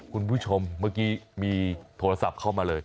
คุณผู้ชมเมื่อกี้มีโทรศัพท์เข้ามาเลย